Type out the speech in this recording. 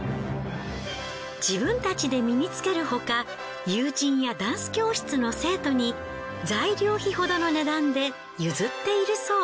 自分たちで身につけるほか友人やダンス教室の生徒に材料費ほどの値段で譲っているそう。